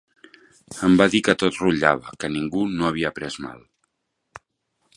Em va dir que tot rutllava, que ningú no havia pres mal